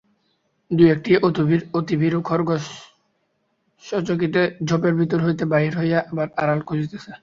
দুই-একটি অতি ভীরু খরগোস সচকিতে ঝোপের ভিতর হইতে বাহির হইয়া আবার আড়াল খুঁজিতেছে।